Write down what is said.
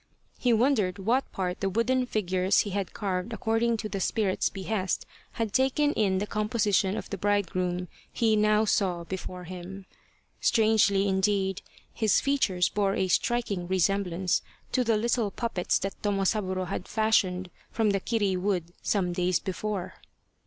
He won dered what part the wooden figures he had carved according to the spirit's behest had taken in the composition of the bridegroom he now saw before him. Strangely, indeed, his features bore a striking resemblance to the little puppets that Tomosaburo had fashioned from the kiri wood some days before.